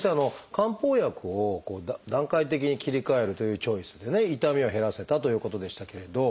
漢方薬を段階的に切り替えるというチョイスで痛みを減らせたということでしたけれど。